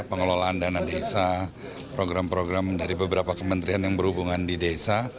pengelolaan dana desa program program dari beberapa kementerian yang berhubungan di desa